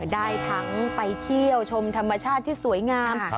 ได้ทั้งไปเที่ยวชมธรรมชาติที่สวยงาม